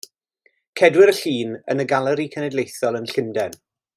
Cedwir y llun yn y Galeri Cenedlaethol yn Llundain.